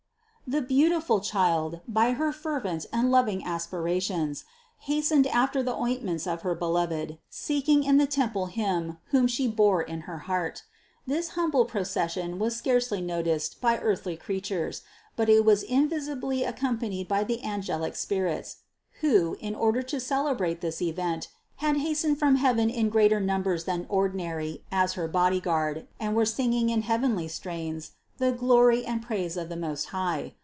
The beautiful Child, by her fervent and loving aspira tions, hastened after the ointments of her Beloved, seek ing in the temple Him, whom She bore in her heart. This humble procession was scarcely noticed by earthly crea tures, but it was invisibly accompanied by the angelic spirits, who, in order to celebrate this event, had hastened from heaven in greater numbers than ordinary as her bodyguard, and were singing in heavenly strains the glory and praise of the Most High.